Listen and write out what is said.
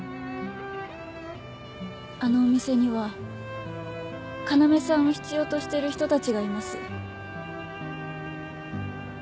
あのお店には要さんを必要としてる人たちがいます。